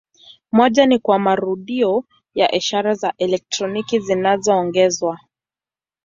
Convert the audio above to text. Moja ni kwa marudio ya ishara za elektroniki zinazoongezwa.